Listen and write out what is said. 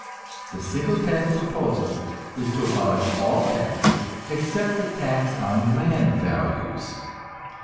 The single tax proposal is to abolish all taxes except the tax on land values.